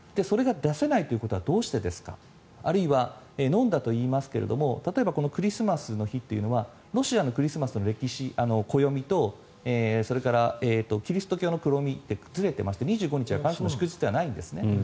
それが出せないということはどうしてですかあるいは飲んだといいますが例えばクリスマスの日というのはロシアのクリスマスの暦とそれからキリスト教の暦ってずれていまして、２５日は祝日ではないんですね。